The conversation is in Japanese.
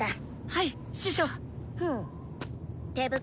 はい。